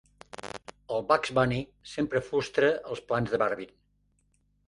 El Bugs Bunny sempre frustra els plans del Marvin.